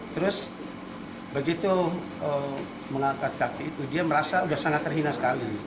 terus begitu mengangkat kaki itu dia merasa sudah sangat terhina sekali